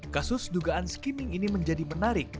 kasus dugaan skimming ini menjadi menarik